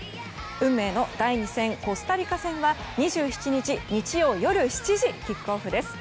運命の第２戦コスタリカ戦は２７日、日曜夜７時キックオフです。